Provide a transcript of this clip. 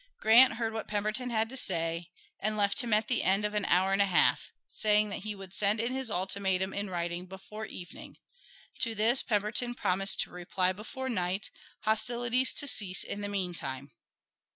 Grant heard what Pemberton had to say, and left him at the end of an hour and a half, saying that he would send in his ultimatum in writing before evening; to this Pemberton promised to reply before night, hostilities to cease in the meantime.